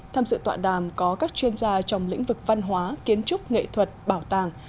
tham dự tọa đàm có các chuyên gia trong lĩnh vực văn hóa kiến trúc nghệ thuật bảo tàng